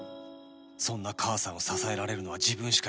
そんな母さんを支えられるのは自分しかいない